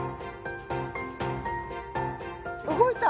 動いた。